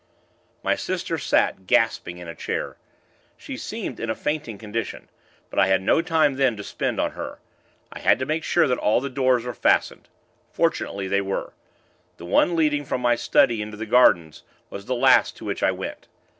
My sister sat, gasping, in a chair. She seemed in a fainting condition; but I had no time then to spend on her. I had to make sure that all the doors were fastened. Fortunately, they were. The one leading from my study into the gardens, was the last to which I went.